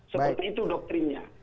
seperti itu doktrinnya